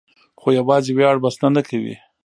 خو یوازې ویاړ بسنه نه کوي.